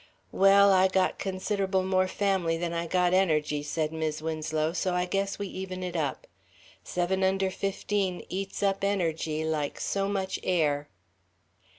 "Well, I got consider'ble more family than I got energy," said Mis' Winslow, "so I guess we even it up. Seven under fifteen eats up energy like so much air."